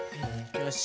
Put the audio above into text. よし。